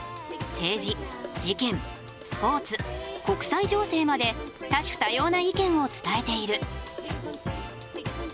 政治事件スポーツ国際情勢まで多種多様な意見を伝えている。